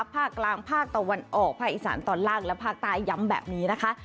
ภาคกลางภาคตะวันออกภาคอีสานตอนล่างและภาคใต้ย้ำแบบนี้นะคะ